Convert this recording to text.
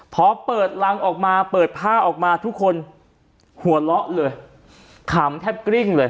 พอเปิดรังออกมาเปิดผ้าออกมาทุกคนหัวเราะเลยขำแทบกริ้งเลย